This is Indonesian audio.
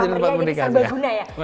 jadi murah meriah jadi sebaguna ya